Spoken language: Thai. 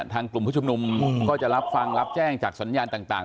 กลุ่มผู้ชุมนุมก็จะรับฟังรับแจ้งจากสัญญาณต่าง